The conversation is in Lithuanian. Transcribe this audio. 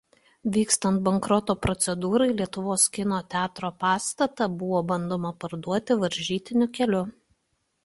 Vykstant bankroto procedūrai Lietuvos kino teatro pastatą buvo bandoma parduoti varžytinių keliu.